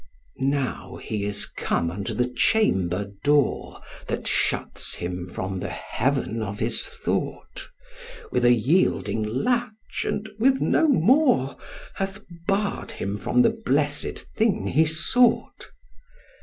Now is he come unto the chamber door, That shuts him from the heaven of his thought, Which with a yielding latch, and with no more, Hath barr'd him from the blessed thing he sought.